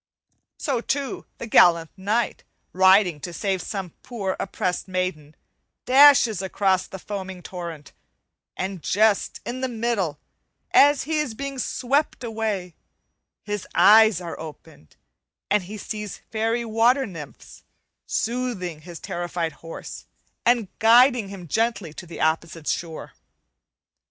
So, too, the gallant knight, riding to save some poor oppressed maiden, dashes across the foaming torrent; and just in the middle, as he is being swept away, his eyes are opened, and he sees fairy water nymphs soothing his terrified horse and guiding him gently to the opposite shore.